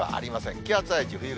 気圧配置冬型。